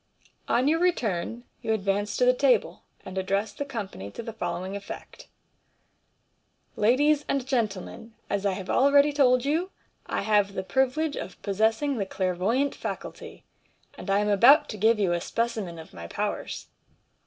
On your return you advance to the table, and address the company to the following effect :" Ladies and gentlemen, as I have already told you, I have the privilege of possessing the clair voyant faculty, and I am about to give you a specimen of my powers.